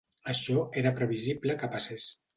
Això era previsible que passés.